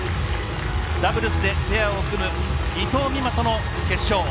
ダブルスでペアを組む伊藤美誠との決勝。